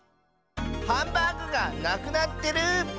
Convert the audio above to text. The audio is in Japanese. ハンバーグがなくなってる！